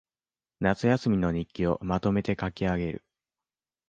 夏休みの日記をまとめて書きあげる